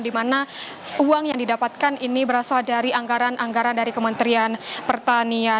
di mana uang yang didapatkan ini berasal dari anggaran anggaran dari kementerian pertanian